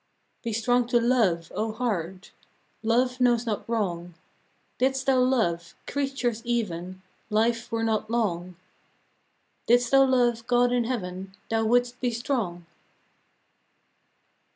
Be strong to love, O Heart! Love knows not wrong; Didst thou love — creatures even, Life were not long; Didst thou love God in Heaven Thou wouldst be strong